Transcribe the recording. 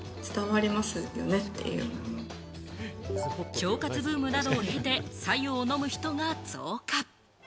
腸活ブームなどを経て、白湯を飲む人が増加。